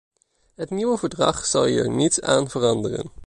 Het nieuwe verdrag zal hier niets aan veranderen.